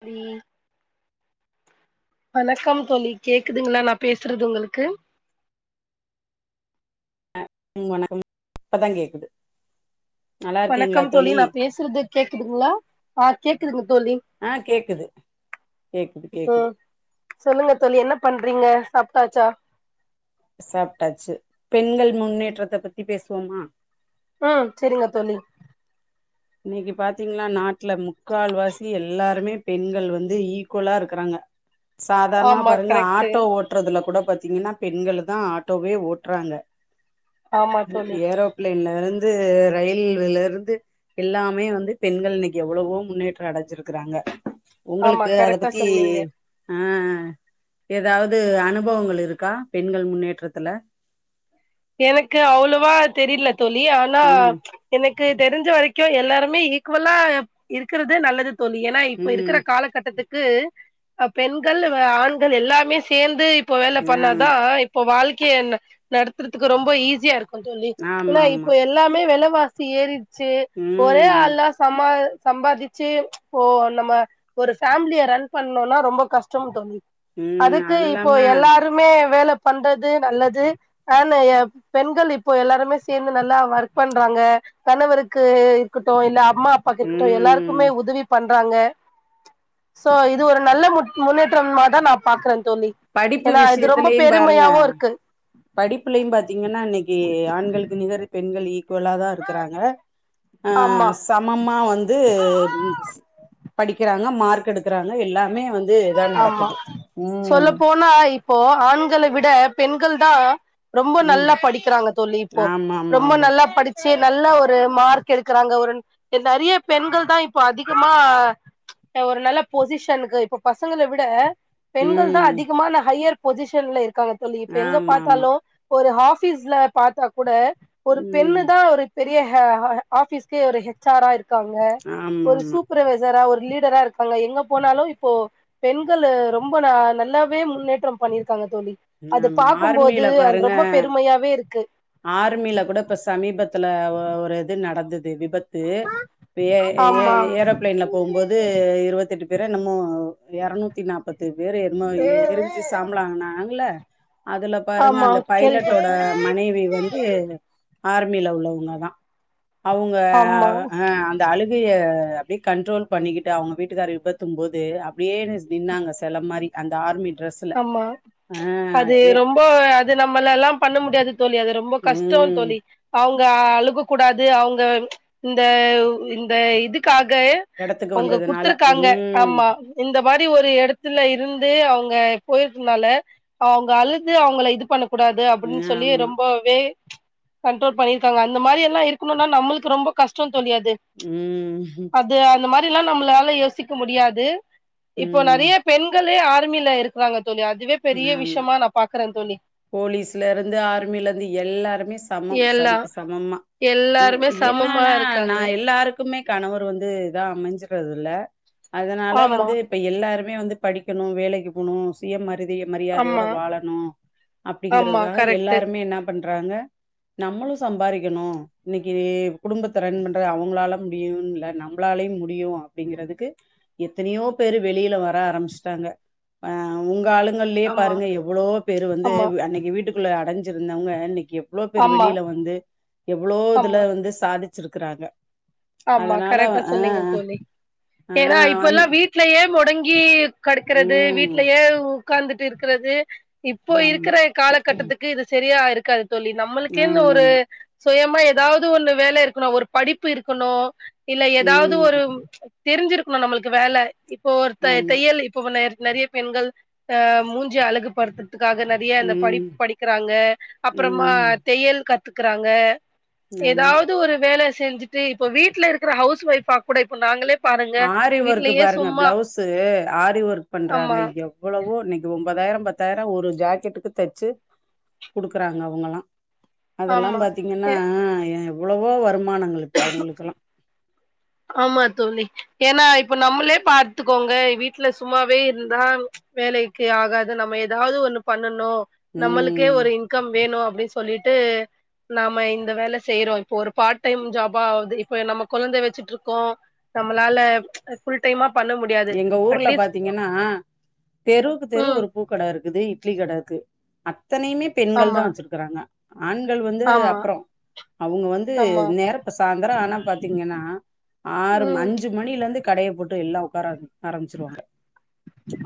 Free வணக்கம் தோழி கேக்குதுங்களா நா பேசுறது உங்களுக்கு ம் வணக்கம் இப்பதா கேக்குது நல்லா இருக்கீங்களா வணக்கம் தோழி நா பேசுறது கேக்குதுங்களா ஆ கேக்குதுங்க தோழி ஆ கேக்குது கேக்குது கேக்குது ம் சொல்லுங்க தோழி என்ன பண்றீங்க சாப்ட்டாச்சா சாப்டாச்சு பெண்கள் முன்னேற்றத்த பத்தி பேசுவோமா ம் செரிங்க தோழி இன்னிக்கு பாத்திங்ன்னா நாட்டுல முக்கால்வாசி எல்லாருமே பெண்கள் வந்து ஈக்குவலா இருக்கறாங்க சாதாரணமா ஆமா பாருங்க கரெக்ட்டு ஆட்டோ ஓட் றதுல கூட பாத்திங்கன்னா பெண்களு தா ஆட்டோவே ஓட்றாங்க ஆமா தோழி ஏரோப் பிளென்ல இருந்து ரயில்வேல இருந்து எல்லாமே வந்து பெண்கள் இன்னிக்கு எவ்ளவோ முன்னேற்றோ அடஞ்சிருக்கறாங்க ஆமா உங்களுக்கு அத கரெக்டா பத்தி சொன்னீங்க அ அ எதாவது அனுபவங்கள் இருக்கா பெண்கள் முன்னேற்றத்துல எனக்கு அவ்ளவா தெரில தோழி அனா ம் எனக்கு தெரிஞ்ச வரைக்கு எல்லாருமே ஈக்குவலா இருக்கறது நல்லது தோழி ஏ னா இப்ப ம் இருக்கற காலக்கட்டத்துக்கு அ பெண்கள் ஆண்கள் எல்லாமே சேந்து இப் ப வேல ஆமா பண்ணாதா இப்ப வாழ்க்கைய ந டத்தறதுக்கு ரொம்ப ஈஸியா இருக்கு தோழி ஆமா ஏன்னா ஆமா இப்ப எல்லாமே வெலவாசி ஏறிர்ச்சு ம் ஒரே ஆள்லா சமா சம்பாதிச்சு இப்போ நம்ம ஒரு ஃபேமிலிய ரன் பண்ணுன்னா ரொம்ப கஷ்டம் தோழி ம் அதுக்கு அது இப்போ இல்லாம எல்லா ருமே வேல பண்றது நல்லது ஆன் எப் பெண்கள் இப்ப எல்லாருமே சேந்து நல்லா ஒர்க் பண்றாங்க கணவருக்கு இருக்கட்டு இல்ல அம்மா அப்பாக்கு இருக்கட்டு ம் எல்லாருக்குமே உதவி பண்றாங்க சோ இது ஒரு நல்ல முட் முன்னேற்றம்மாதா நா பாக்கறே தோழி படிப்பு ஏன்னா இது ரொம்ப பெருமையாவு இருக்கு படிப்புலியு பாத்திங்கன்னா இன்னிக்கு ஆண்களுக்கு நிகரு பெண்கள் ஈக் குவல்லாதா இருக்கறாங்க ஆ ஆமா சமமா வந்து படிக்கறாங்க மார்க் எடு க்கறாங்க எல்லாமே வந்து இதா நடக்குது ம் ம்மா இப்போ ஆண்கள விட பெண்கள் தா ரொம்போ ம் நல்லா படிக்கறாங்க தோழி இப்போ ஆமா ஆமா ரொம்ப ஆமா நல்லா படி ச்சு நல்லா ஒரு மார்க் எடுக்கறாங்க ஒரு நறைய பெண்கள் தா இப்ப அதிகமா அ ஒரு நல்லப் பொசிஷனுக்கு இப்ப பசங்கள விட பெண்கள் தா ம் அதிகமான ஹையர் பொசிஷன்ல இருக்காங்க தோழி இப்ப எங்க ஆமா ஆமா பாத்தாலு ஒரு ஆபீஸ்ல பாத்தா கூட ஒரு பெண்ணு ம் தா ஒரு பெ ரிய ஹாஅ ஆபிஸ்கு ஒரு ஹச் ஆர் அ இருக்காங்க ஆமா ஒரு ஆமா சூப் பர்வைசறா ஒரு லீடரா இருக்காங்க எங்க போனாலும் இப்போ பெண்களு ரொம்ப நா நல்லாவே முன்னேற்றம் பண்ணிருக்காங்க தோழி அது ஆமா பாக்கும்போது ஆர்மில அது ரொம்ப பெருமையாவே இருக்கு ஆர்மீல கூட இப்ப சமீபத்துல ஒ ஒரு இது நடந்தது விபத் து இப்ப ஏ ஏ ஆமா ஏரோபிளைன்ல போம்போது இருவத்தி எட்டு பேரா என்னமோ எரநூத்தி நாப்பத்து பேரு என்னமோ எ எரிஞ் சி சாம்பலானாங்களா அதுல பாருங்க ஆமா அந்த பைலட்டோட கேள்விப்பட்ட மனைவி வந்து ஆர்மில உள்ளவங்க தா அவுங்க ஆமா அ இந்த அழுகைய அப்டியே கண்ட்ரோல் பண்ணிக்கிட்டு அவுங்க வீட்டுக்கார விபத்தும் போது அப்படியே நின்னாங்க செல மாரி அந்த ஆர்மி டிரெஸ் ஆமா அது ரொம்ப அது நம்மள லாம் பண்ண முடியாது தோழி அது ரொம் ரொம்ப கஷ்டோ ம் தோழி அவங்க அழுக கூடாது அவுங்க இந்த இந்த இதுக்காக எடத்துக்கு அவுங்க வந்ததுனால குடுத்துருக்காங்க ம் ஆமா இந்த மாரி ஒரு எடத்துல இருந்து அவுங்க போயிருக்குனால அவுங்க அழுது அவுங்கள இது பண்ணக் கூடாது அப்டின்னு சொல்லி ஆமா ரொம்பவே கண்ரோல் பண்ணிருக்காங்க அந்த மாரியெல்லா இருக்கணும்னா நம்மளுக்கு ரொம்ப கஷ்டோ தோழி அது ம் அது அந்த மாரில்லா நம்மளால்ல யோசிக்க முடியாது ம் இப்ப ம் நெறைய பெண்களே ஆர்மில இருக்குறாங்க தோழி அதுவே பெரிய ஆமா விஷமா நா பாக்குற தோழி போலீஸ்லருந்து ஆர்மிலருந்து எல்லாருமே சமம் எல்லா சரிக்கு சமம்மா அ எல்லாருமே சமமா என்னன்னா நா இருக்காங்க எல்லாருக் க்குமே கணவர் வந்து இதா அமைஞ்சறது இல்ல அதனால ஆமா வந்து இப்ப எல்லாருமே வந்து படிக்கணு வேலைக்கி போனு சுய மரிதி மரியாதையோட ஆமா வாழணு ஆமா அப்படிங்கிறதுக்காக கரெக்ட் எல்லாருமே என்னா பண்றாங்க நம்மளு சம்பாரிக்கணு இன்னைக்கி குடும்பத்த ரன் பண்றத அவுங்களால முடியும்ல்ல நம்மளாலேயே முடியும் அப்படிங்குறதுக்கு எத்தனையோ பேரு வெளியில வர ஆரம்பிச்சிட்டாங்க ஆ உங்க அளுங் ங்களே ஆமா பாருங்க எவ்ளோ பேரு வந்து ஆமா அன்னைக்கி வீட்டுக்குள்ள அடைஞ்சுருந்தவங்க இன்னைக்கி எவ்ளோ பேரு ஆமா வெளியில வந்து எவ்ளோ இதுல ஆமா வந்து சாதிச்சிருக்குறாங்க ஆமா கரெக்டா சொன்னீங்க தோழி ஆ ஏன்னா அந் இப்பல்லா வீட் வீட்லயே மொடங்கி கடுக்குறது ம். வீட்லயே உக்காந்துட்டு இருக்குறது இப்போ ஆமா. இருக்குற காலகட்டத்துக்கு இது செரியா இருக்காது தோழி நம்மளுக்கேன்னு ஒரு ஆமாமா. சுயமா ஏதாவது ஒன்னு வேல இருக்கணு ஒரு படிப்பு இருக்கணு இல்ல ஏதாவது ம். ஒரு தெரிஞ்சிருக்கணு நம்மளுக்கு வேல இப்போ ஒருத்த ஆமா. தையல் இப்போ நெ நெறையப் பெண்கள் அ மூஞ்சு அழகுபடுத்துறதுக்காக நெறைய இந்த ம். படிப்பு படி க்கிறாங்க அப்புறமா ம். தையல் கத்துக்குறாங்க ஆமா. ஏதாவது ஒரு வேல செஞ்சுட்டு இப்போ வீட்ல இருக்குற ஹவுஸ் ஒய்ஃபா கூட இப்ப நாங்களே பாருங்க ஆரி ஒர்க்கு வீட்லயே பாருங்க சும்மா பிளவுஸு ஆரி ஒர்க் பண்றாங்க ஆமா எப் எவ்ளோவோ இன்னைக்கி ஒம்பதாயிரோ பத்தாயிரோ ஒரு ஜாக்கெட்டுக்கு தச்சு குடுக்குறாங்க அவுங்களலா அதெல்லா ஆமா அ பாத்தீங்கன்னா எவ்ளோவோ வருமானங்கள் இப்ப அவங்களுக்கெல்லா ஆமா தோழி ஏன்னா இப்ப நம்மளே பாத்துக்கோங்க வீட்ல சும்மாவே இருந்தா வேலைக்கு ஆகாது நம ஏதாவது ஒண்ணு பண்ணணு நம்மளுக்கே ம். ஒரு இன் கம் வேணு அப்டின்னு சொல்லிட்டு நாம்ம இந்த வேல செய்றோ இப்போ ஒரு பார்ட் டைம் ஜாபாது இப்ப நாம கெழந்த வச்சு ட்றோக்கோ நம்மளால ஃபுல் டைமா பண்ண முட் எங்க ஊருல பாத்தீங்கன்னா தெருவுக்கு தெரு ம் ஒரு பூ க்கட இருக்குது இட்லி கட இருக்கு அத்தனையுமே பெண்கள் ஆமா தா வச்சுருக்குறாங்க ஆண்கள் வந்து ஆமா அப்றோ அவுங்க வந்து ஆமா நேரத்த சாந்தரோ ஆனா பாத்தீங்கன்னா ஆறு ம ம் அஞ்சு மணிலருந்து கடயை போட்டு எல்லா உக்கார ஆரம்பிச்சிருவாங்க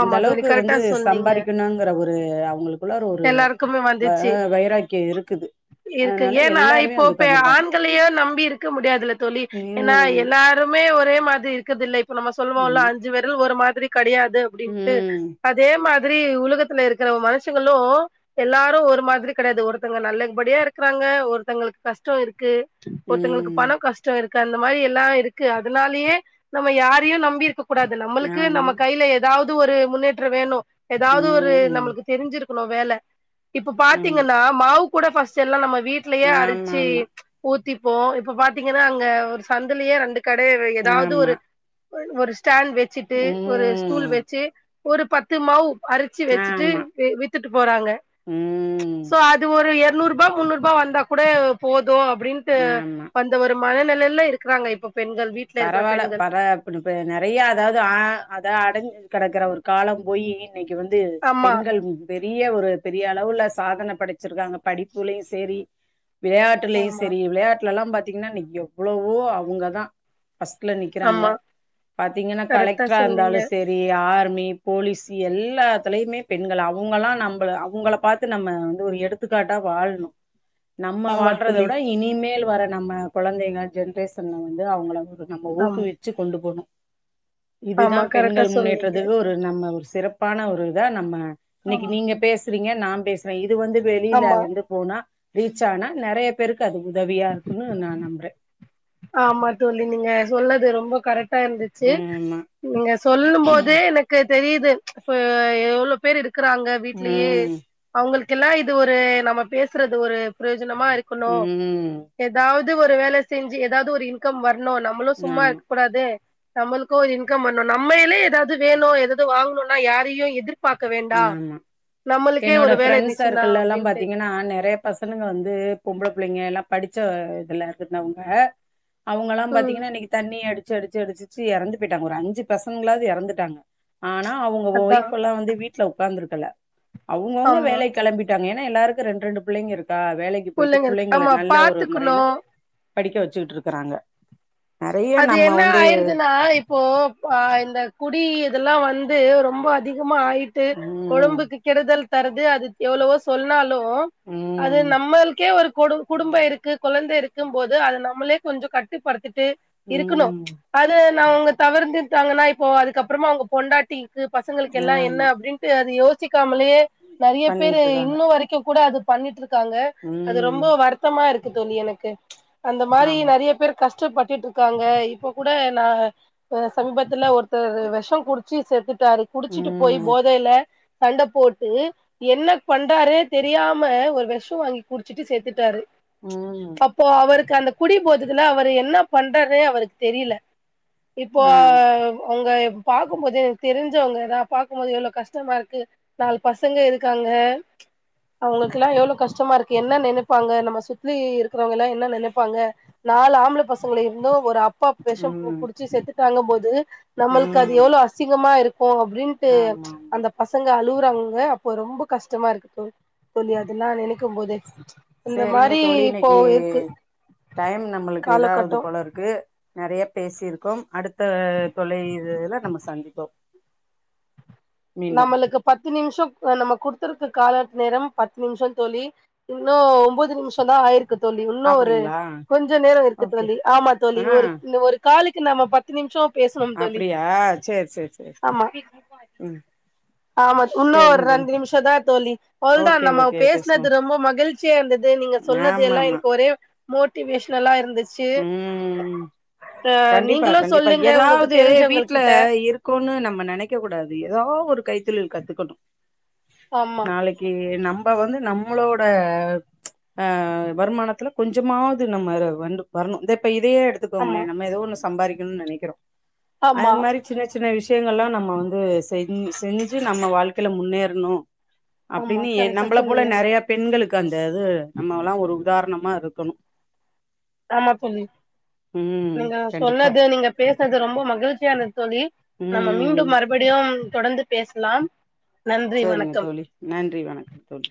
அந்த ஆமா தோழி அளவுக்கு வந்து கரெக்டா சொன்னீங்க சம்பாரிக்கணுன் குற ஒரு அவங்ளுக்குள்ளரு ஒரு எல்லாருக்குமே வந்துச்சு வ வைராக்கியம் இருக்குது இருக்கு அதனால ஏன்னா எல்லாருமே வந்து இப்போப்பே உட்காந்துருக்காங்க ஆண்களயோ நம்பி இருக்க முடியாதுல தோழி ஏன்னா ம் எல்லா ருமே ஒரே மாதிரி இருக்குற்துல்ல இப்ப நம்ம சொல்லுவோல்ல ஆமா அஞ்சு வெரல் ஒரு மாதிரி கடையாது அப்படின்ட்டு ம் அதே மாதிரி உலகத்துல இருக்குற மனுஷங்களு எல்லாரும் ஒரு மாதிரி கெடயாது ஒருத்தங்க நல்லபடியா இருக்குறாங்க ஒருத்தங்களுக்கு கஷ்ட்டோ இருக்கு ஒருத்தங்ளுக்கு ம் பணோ கஷ்டம் இருக்கு அந்த மாரி எல்லா இருக்கு அதுனாலேயே நம்ம யாரியும் நம்பி இருக்கக் கூடாது நம்மளுக்கு நம்ம ஆமா கையில எதாவ்து ஒரு முன்னேற்றம் வேணும் எதாவ்து ஒரு ம் ம் நம்ளுக்கு தெரிஞ்சிருக்கணு வேல இப்ப ஆமா பாத்தீங்கன்னா மாவு கூட ஃபர்ஸ்ட்டெல்லா நம்ம வீட் லயே ஆமா அரிச்சி ஆமா ஊத்திப்போம் இப்ப பாத்தீங்கன்னா அங்க ஒரு சந்துலயே ரெண்டு கடைய வை எதாவ்து ஆமா ஒரு ஒரு ஸ்டாண்ட் வெச்சுட்டு ஒரு ஸ்டூல் ம் வெச்சி ஒரு பத்து மாவு அரிச்சி வெச்சுட்டு ஆமா வித்துட்டு போறாங்க ம் சோ அது ஒரு எர்நூரூபா முன்னூரூபா வந்தா கூட போதும் அப்டின்ட்டு ஆமா வந் து ஒரு மனநெலைல்ல இருக்கறாங்க இப்ப பெண்கள் வீட் பரவாயில்ல பர இப்ப நெறைய அதாவ்து ஆ அத அடஞ்சு கெடக்கற ஒரு காலம் போயி அன்னைக்கு வந்து ஆமா பெண்கள் பெரிய ஒரு பெரிய அளவுல சாதன படச்சிருக்காங்க படிப்புலயும் சேரி விளயாட்டுலயும் ஆமா சரி விளயாட்லல்லா பாத்தீங்கன்னா இன்னு எவ்ளவோ அவங்கதா ஃபர்ஸ்ட்ல நிக்கிறாங்க ஆமா பாத்தீங்கன்னா கரெக்டா கலெக்டரா இருந்தாலு சொன்னீங்க செர் ரி ஆர்மி போலீஸ் எல்லாத்துலயுமே பெண்கள் அவங்கல்லா நம்பள அவங்கள பாத் து நம்ம வந்து ஒரு எடுத்துக்காட்டா வாழ்ணு நம்ம ஆமா வாழ்றத தோழி விட இனிமேல் வர நம்ம கொழந்தைங்க ஜென்ரேஷன்ல வந்து அவங்கள நம்ம ஆமா ஊக்குவிச்சு கொண்டு போணும் இதுதா ஆமா கரெக்டா பெண்கள் சொன்னீங்க முன்னேற்றத்துக்கு நம்ம ஒரு சிறப்பான ஒரு இதா நம்ம இன்னைக்கு ஆமா நீங்க பேசுறீங்க நா பேசுற இது வந்து வெளியில ஆமா வந்து போனா ரீச் ஆனா நெறைய பேருக்கு அது உதவியா இருக்குன்னு நா நம்புற ஆமா தோழி நீங்க சொல்லது ரொம்ப கரெக்ட் டா இருந்துச்சு ஆமா நீங்க சொல்லும் போதே எனக்கு தெரியுது இப்ப எவ்ளோ பேர் இருக்கறாங்க வீட்லயே ம் அவங்களுக்கெல்லா இது ஒரு நம்ம பேசுறது ஒரு பிரயோஜனமா இருக்கணு ம் எதாவ்து ஒரு வேல செஞ்சு எதாவ்து ஒரு இன்கம் வர்னோ நம்மளும் சும்மா ஆமா கூடாது நம்மளுக்கு ஒரு இன்கம் வர்னோ நம்மையிலே எதாவ்து வேணும் எதேதோ வாங்கணும்னா யாரையும் எதிர் பாக்க வேண்டா ஆமா நம்மளுக்கே ஒரு வேல இருந்துச்சினா அப்டின்ட்டு நா நெறைய பசங்கங்க வந்து பொம்பள புள்ளைங்க எல்லா படிச்ச இதுல இருக்குந்தவங்க அவங்களா ம் பாத்தீங்கன்னா இன்னைக்கி தண்ணி அடிச்சு அடிச்சு அடிச்சிச்சு எறந்து போயிட்டாங்க ஒரு அஞ்சு பசங்களாவ்து எறந்துட்டாங்க ஆனா அவங்க அதா ஒய்ஃப் எல்லா வந்து வீட்ல ஒக்காந்துருக்கல அவுங்கவுங்க ஆமா வேலைக் கெளம்பிட் டாங்க ஏன்னா எல்லாருக்கும் ரெண்ட் ரெண்டு பிள்ளைங்க இருக்கா வேலைக்கு போயிட்டு புள்ளைங்க இருக்கு பிள்ளைங்கள ஆமா நல்ல ஒரு மொறையில பாத்துக்கணு படிக்க வச்சுக்கிட்ருக்கறாங்க அது என்ன ஆய்டுதுன்னா இப்போ ஆ இந்த குடி இதெல்லா வந்து ரொம்ப அதிகமா ஆயிட்டு ம் ஒடம்புக்கு கெடுதல் தரது அது எவ்ளவோ சொன்னாலு அது ம் நம்மள்க்கே ஒரு கொடு குடும்போ இருக்கு கொழந்த இருக்கும் போது அத நம்மளே கொஞ்சம் கட்டுப்படுத்திட்டு இருக்குனோ ம் அது நா அவங்க தவர்ந்துட்டாங்கன்னா இப்போ அதுக்கப்புறமா அவங்க பொண்டாட்டி க்கு பசங்களுக்கு எல்லாம் என்ன ஆமா அப்டின்ட்டு அது யோசிக்காமலயே நெறைய பேரு பண்ணிட்டு இருக்காங்க இன்னும் வரைக்கு கூட அது பண்ணிட்ருக்காங்க அது ம் ரொம்ப வருத்தமா இருக்கு தோழி எனக்கு அந்த மாரி ஆமா நெறைய பேருக் கஷ்டப்பட்டுட்டு இருக்காங்க இப்போ கூட நா சமீபத்துல ஒருத்தர் வெஷம் குடிச் சி செத்துட்டாரு குடிச்சிட்டு போய் ம் போதையில சண்ட போட்டு என்ன பண்றாருனே தெரியாம ஒரு வெஷம் வாங்கி குடிச்சுட்டு செத்துட்டாரு ம் அப்போ அவருக்கு அந்த குடி போதைல அவரு என்ன பண்றாருனே அவருக்கு தெரியல இப்போ ஆ அங்க பாக்கும்போது எனக்கு தெரிஞ்சவங்க நா பாக்கும்போது எவ்வளோ கஷ்டமா இருக்கு நாலு பசங்க இருக்காங்க அவங்களுக்கெல்லா எவ்வளோ கஷ்டமா இருக்கு என்ன நெனைப்பாங்க நம்ம சுத்தி இருக்றவங்க எல்லா என்ன நெனைப்பாங்க நாலு ஆம்பள பச ங்க இருந்து ஒரு அப்பா வெஷம் கு ம் குடிச்சு செத்துட்டாங்கபோது ம் நம்மளுக்கு ஆமா அது எவ்ளோ அசிங்கமா இருக் கோ அப்டின்ட்டு ஆமா அந்த பசங்க அழுவுறாங்கங்க அப்போ ரொம்ப கஷ்டமா இருக்குது தோ தோழி அதெல்லா நெனைக்கும் போது இந்த சேரிங்க மாரி தோழி இப்போ இன்னைக்கு இருக்கு டைம் நம்மளுக்கு இதாவது காலகட்டோ போல இருக்கு நெறைய பேசியிருக்கோ அடுத்த தொலை இதுல நம்ம சந்திப்போ நம்மளுக்கு பத்து நிமிஷம் நம்ம குடுத்துருக்க கால நேரம் பத்து நிமிஷம் தோழி இன்னு ஒம்போது நிமிஷம்தா ஆயிருக் கு தோழி இன்னு ஒரு அப்டிங்களா கொஞ்ச நேரம் இருக்கு ஓகே தோழி ஆமா தோழி ஆ ஒரு ஒரு காலுக்கு நாம பத் து நிமிஷோ பேசணு தோழி அப்டியா சேரி சேரி சேரி சேரி ஆமா ம் ஆமா இன்னு ஒரு சேரிங்க தோழி ரெண்டு நிமிஷந்தா தோழி அவ்ளோதா ஓகே நம்ம ஓகே பேசினது பேசுவோம் ரொம்ப மகிழ்ச்சியா இருந்தது நீங்க சொன்னது ஆமா எல்லா ஆமா எனக்கு ஒரே மோட்டிவேஷனலா இருந்துச் சு ம் ஆ கண்டிப்பா நீங்களு கண்டிப்பா சொல்லுங்க உங்களுக்கு தெரிஞ்சவங்க கிட்ட க்குன்னு நம்ம நெனைக்க கூடாது ஏதோ ஒரு கைத்தொழில் கத்துக்கணு ஆமா நாளைக் கி நம்ப வந்து நம்மளோட அ வருமானத்துல கொஞ்சமாவது நம்ம வந்து வரணு இந்த இப்ப இதையே எடுத்துக்கோங்களே ஆமா நம்ம ஏதோ ஒண்ணு சம்பாரிக்கணுனு நெனைக்கிறோ அது ஆமா மாரி சின்ன சின்ன விஷயங்கள்ல்லா நம்ம வந்து செஞ் செஞ்சு நம்ம வாழ்க்கையில முன்னேறனு ஆமா அப்டின்னு கரெக்டா நம்பள போல சொன்னீங்க நறைய பெண்களுக்கு அந்த இது நம்மல்லா ஒரு உதாரணமா இருக்கணு ஆமா தோழி ம் நீங்க கண்டிப்பா சொன்னது நீங்க பேசினது ரொம்ப மகிழ்ச்சியானது தோழி நம்ம ம் மீண்டும் மறுபடியு தொடர்ந்து பேசலாம் நன்றி சேரிங்க வணக்கம் தோழி நன்றி வணக்கம் தோழி